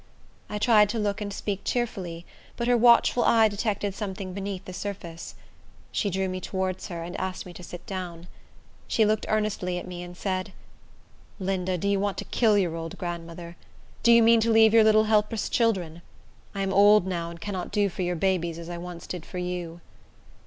I tried to look and speak cheerfully; but her watchful eye detected something beneath the surface. She drew me towards her, and asked me to sit down. She looked earnestly at me, and said, "Linda, do you want to kill your old grandmother? Do you mean to leave your little, helpless children? I am old now, and cannot do for your babies as I once did for you."